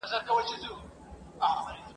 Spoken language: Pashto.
پاکه خاوره ئې ژغورله.